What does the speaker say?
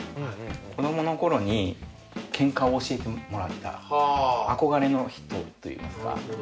子供の頃にケンカを教えてもらった憧れの人と言いますか。